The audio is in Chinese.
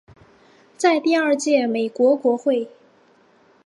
在第二届美国国会。